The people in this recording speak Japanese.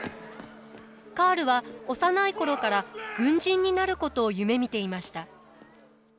カールは幼い頃から軍人になることを夢みていました。